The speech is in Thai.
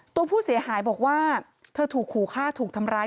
ตัวผู้เสียหายบอกว่าเธอถูกขู่ฆ่าถูกทำร้าย